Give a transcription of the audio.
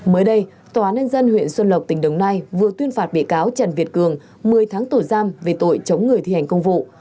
mới đây tòa án nhân dân huyện xuân lộc tỉnh đồng nai vừa tuyên phạt bị cáo trần việt cường một mươi tháng tổ giam về tội chống người thi hành công vụ